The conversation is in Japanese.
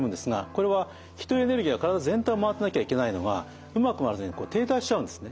これは気というエネルギーが体全体を回ってなきゃいけないのがうまく回らずに停滞しちゃうんですね。